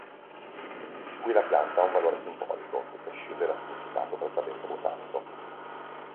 Qui la pianta ha un valore simbolico, che prescinde dal significato prettamente botanico.